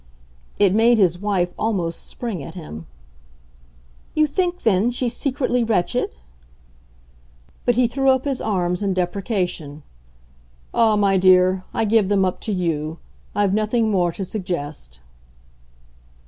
It made his wife almost spring at him. "You think then she's secretly wretched?" But he threw up his arms in deprecation. "Ah, my dear, I give them up to YOU. I've nothing more to suggest."